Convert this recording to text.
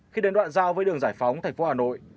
khi đến đoạn giao với đường giải phóng thành phố hà nội